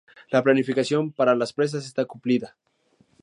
La planificación para las presas está cumplida.